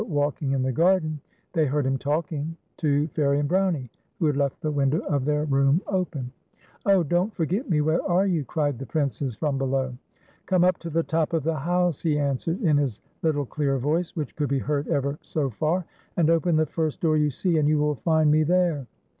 193 walkinfj in the garden, they heard liim talkincjr to Fairie and Brownie, who had left the window of their room open. "Oh! Don't Forget Mc, where are you?" cried the Princes from below. "Come up to the top of the house," he answered in his little clear voice, wliich could be heard ever so far, "and open the first door } ou see, and you will find me there."